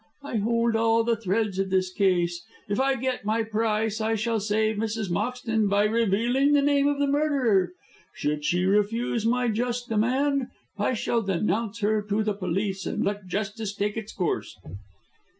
I hold all the threads of this case. If I get my price I shall save Mrs. Moxton by revealing the name of the murderer. Should she refuse my just demand, I shall denounce her to the police and let justice take its course."